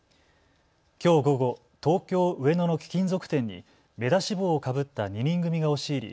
きょう午後、東京上野の貴金属店に目出し帽をかぶった２人組が押し入り